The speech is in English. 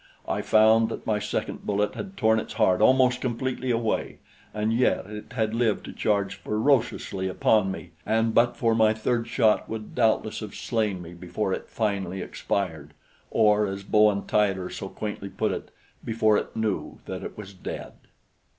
I found that my second bullet had torn its heart almost completely away, and yet it had lived to charge ferociously upon me, and but for my third shot would doubtless have slain me before it finally expired or as Bowen Tyler so quaintly puts it, before it knew that it was dead.